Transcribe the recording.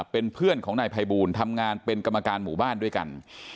เป็นเพื่อนของนายภัยบูลทำงานเป็นกรรมการหมู่บ้านด้วยกัน